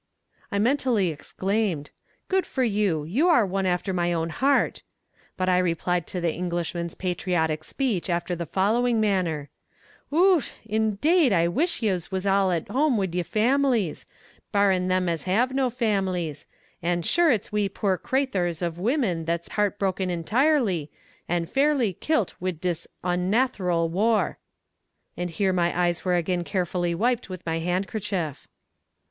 I mentally exclaimed, "Good for you you are one after my own heart," but I replied to the Englishman's patriotic speech after the following manner: "Och, indade I wish yez was all at home wid yer families, barrin them as have no families; an sure its we poor craythurs of wimen that's heartbroken intirely, an fairly kilt wid this onnathral war;" and here my eyes were again carefully wiped with my handkerchief.